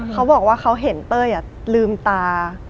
เขาบอกว่าเขาเห็นเต้ยลืมตา